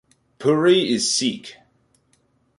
Puri is Sikh.